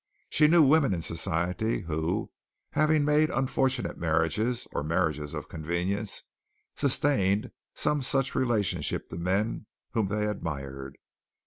She knew women in society, who, having made unfortunate marriages, or marriages of convenience, sustained some such relationship to men whom they admired.